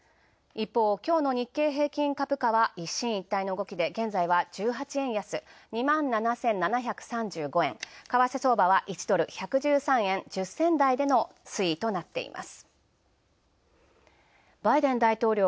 きょうの日経平均株価は一進一退の動きで現在は現在は１７円高為替相場は１ドル１１３円、１０銭代での推移となっています。